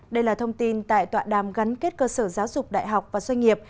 đây là thông tin tại tọa đàm gắn kết cơ sở giáo dục đại học và doanh nghiệp